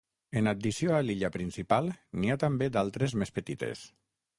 En addició a l'illa principal, n'hi ha també d'altres més petites.